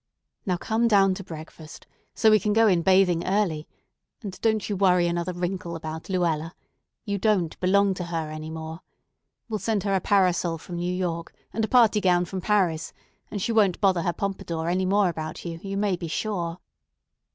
Now come down to breakfast, so we can go in bathing early, and don't you worry another wrinkle about Luella. You don't belong to her any more. We'll send her a parasol from New York and a party gown from Paris, and she won't bother her pompadour any more about you, you may be sure."